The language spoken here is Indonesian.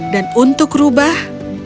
dan untuk rubah